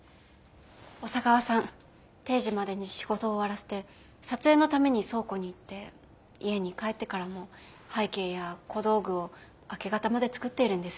小佐川さん定時までに仕事を終わらせて撮影のために倉庫に行って家に帰ってからも背景や小道具を明け方まで作っているんです。